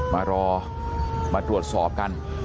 มารอมาตรวจสอบกัน